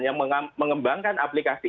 yang mengembangkan aplikasi